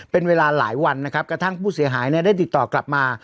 เป็นเวลาหลายวันกระทั่งผู้เสียหายได้ติดต่อกลับมา